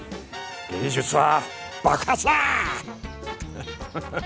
芸術は爆発だ！